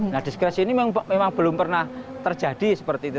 nah diskresi ini memang belum pernah terjadi seperti itu